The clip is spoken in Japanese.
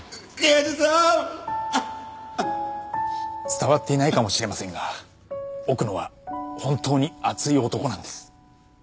伝わっていないかもしれませんが奥野は本当に熱い男なんです。